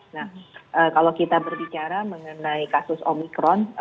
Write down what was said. nah kalau kita berbicara mengenai kasus omikron